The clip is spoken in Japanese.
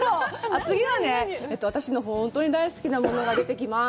次はね、私の本当に大好きなものが出てきます。